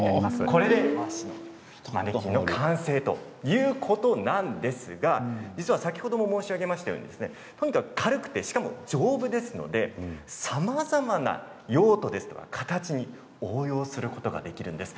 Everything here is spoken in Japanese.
これでマネキンの完成ということなんですが実は先ほど申し上げましたようにとにかく軽くてしかも丈夫ですのでさまざまな用途ですとか形に応用することができるんです。